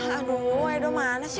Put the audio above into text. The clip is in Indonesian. aduh edo mana sih